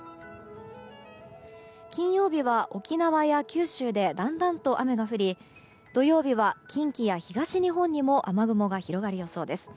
金曜日は沖縄や九州でだんだんと雨が降り土曜日は近畿や東日本にも雨雲が広がる予想です。